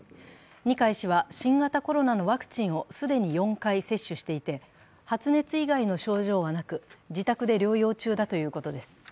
二階氏は新型コロナのワクチンを既に４回接種していて、発熱以外の症状はなく、自宅で療養中だということです。